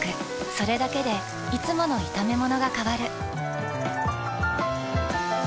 それだけでいつもの炒めものが変わる。